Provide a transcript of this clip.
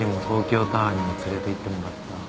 東京タワーにも連れていってもらった